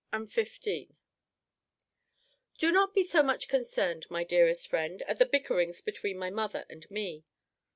XV.] Do not be so much concerned, my dearest friend, at the bickerings between my mother and me.